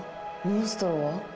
モンストロは？